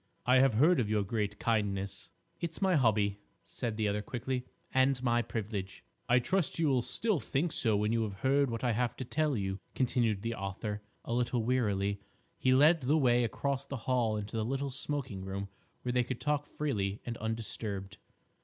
"I have heard of your great kindness." "It's my hobby," said the other quickly, "and my privilege." "I trust you will still think so when you have heard what I have to tell you," continued the author, a little wearily. He led the way across the hall into the little smoking room where they could talk freely and undisturbed.